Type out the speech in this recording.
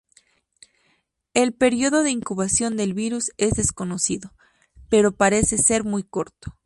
El período de incubación del virus es desconocido, pero parece ser muy corto.